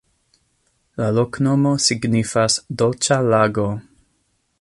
La loknomo signifas: "dolĉa lago".